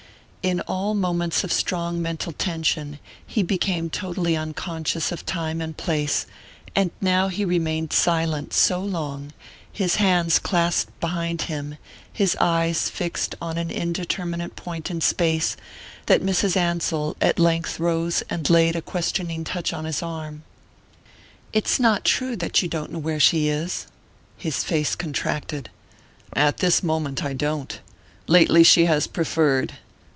In all moments of strong mental tension he became totally unconscious of time and place, and he now remained silent so long, his hands clasped behind him, his eyes fixed on an indeterminate point in space, that Mrs. Ansell at length rose and laid a questioning touch on his arm. "It's not true that you don't know where she is?" His face contracted. "At this moment I don't. Lately she has preferred...